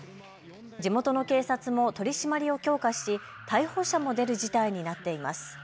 地元の警察も取締りを強化し逮捕者も出る事態になっています。